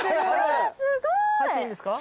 入っていいんですか？